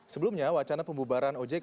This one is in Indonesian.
sebelumnya wacana pembubaran ojk